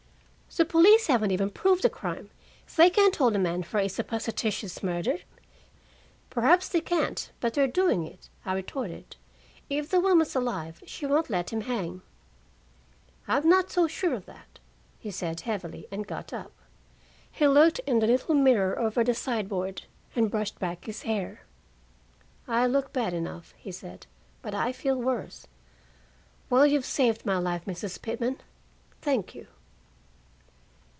"The police haven't even proved a crime. They can't hold a man for a supposititious murder." "Perhaps they can't but they're doing it," I retorted. "If the woman's alive, she won't let him hang." "I'm not so sure of that," he said heavily, and got up. He looked in the little mirror over the sideboard, and brushed back his hair. "I look bad enough," he said, "but I feel worse. Well, you've saved my life, Mrs. Pitman. Thank you."